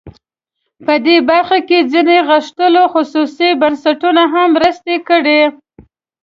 په دې برخه کې ځینو غښتلو خصوصي بنسټونو هم مرستې کړي.